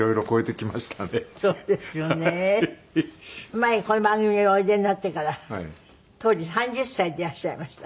前この番組においでになってから当時３０歳でいらっしゃいました。